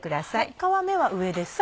皮目は上ですか？